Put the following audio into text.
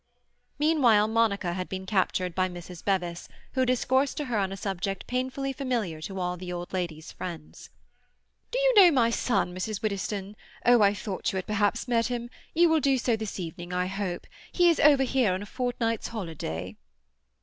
Meanwhile Monica had been captured by Mrs. Bevis, who discoursed to her on a subject painfully familiar to all the old lady's friends. "Do you know my son, Mrs. Widdowson? Oh, I thought you had perhaps met him. You will do so this evening, I hope. He is over here on a fortnight's holiday."